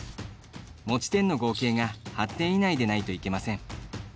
持ち点の合計が８点以内でないといけません。